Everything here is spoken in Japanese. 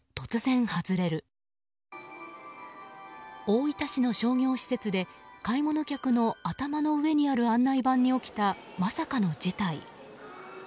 大分市の商業施設で買い物客の頭の上にある案内板に起きたまさかの事態。